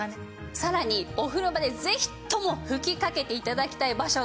さらにお風呂場でぜひとも吹きかけて頂きたい場所があるんです。